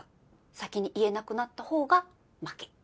先に言えなくなったほうが負け。